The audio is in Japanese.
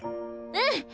うん！